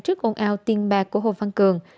trước ồn ào tiền bạc của hồ văn cường